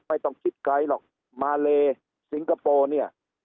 ไม่ต้องคิดไกลหรอกมาเลสิงคโปร์เนี่ย